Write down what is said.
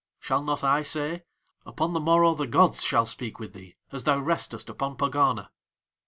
Shall not I say: "Upon The Morrow the gods shall speak with thee as thou restest upon Pegana?"